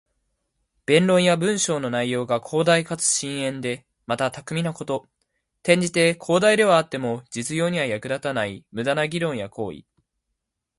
弁論や文章の内容が広大かつ深遠で、また巧みなこと。転じて、広大ではあっても実用には役立たない無駄な議論や行為。